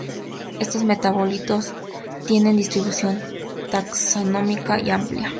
Estos metabolitos tienen distribución taxonómica amplia.